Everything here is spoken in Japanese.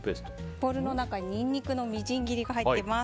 ボウルの中にニンニクのみじん切りが入っています。